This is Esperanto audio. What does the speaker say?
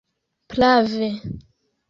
prave